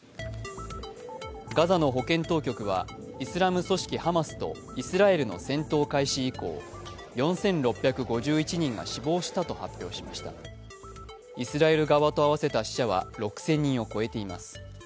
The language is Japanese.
ガザの保健当局はイスラム組織ハマスとイスラエルの戦闘開始以降、イスラエル側と合わせた死者は６０００人を超えています。